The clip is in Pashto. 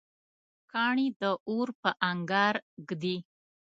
کاڼی د اور په انګار ږدي.